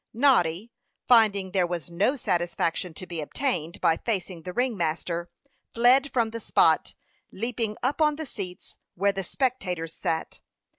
Noddy, finding there was no satisfaction to be obtained by facing the ring master, fled from the spot, leaping up on the seats where the spectators sat.